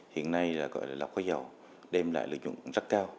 hiện nay là gọi là hoa dầu đem lại lợi nhuận rất cao